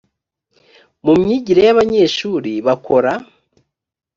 mu myigire y’abanyeshuri bakora